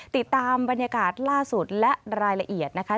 ติดตามบรรยากาศล่าสุดและรายละเอียดนะคะ